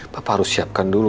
papa harus siapkan dulu